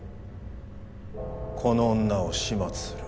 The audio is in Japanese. この女を始末する。